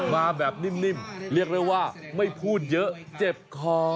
มาแบบนิ่มเรียกได้ว่าไม่พูดเยอะเจ็บคอ